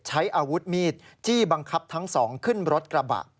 ใช้อาวุธมีดจี้บังคับทั้งสองขึ้นรถกระบะ